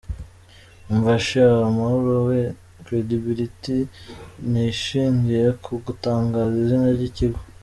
Umva sha Mahoro wee, credibility ntishingiye ku gutangaza izina ry'ikigo.